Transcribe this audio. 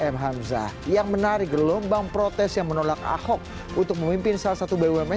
m hamzah yang menarik gelombang protes yang menolak ahok untuk memimpin salah satu bumn